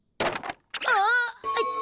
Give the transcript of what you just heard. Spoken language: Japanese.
あっ！